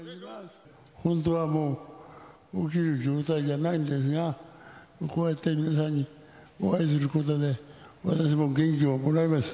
本当はもう、起きれる状態じゃないんですが、こうやって皆さんにお会いすることで、私も元気をもらえます。